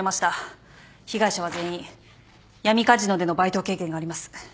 被害者は全員闇カジノでのバイト経験があります。